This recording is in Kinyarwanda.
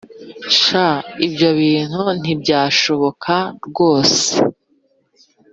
sha ibyo bintu ntibyashoboka rwose"